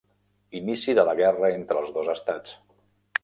Inici de la guerra entre els dos estats.